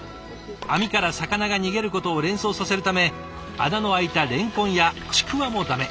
網から魚が逃げることを連想させるため穴の開いたれんこんやちくわも駄目。